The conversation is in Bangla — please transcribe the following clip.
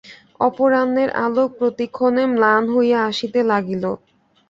অপরাহ্নের আলোক প্রতিক্ষণে মলান হইয়া আসিতে লাগিল।